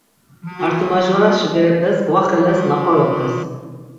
Artimajvaraşi berepes gvaxeles, naqoropes.